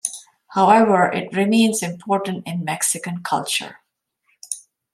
However, it remains important in Mexican culture.